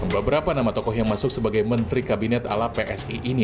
beberapa nama tokoh yang masuk sebagai menteri kabinet ala psi ini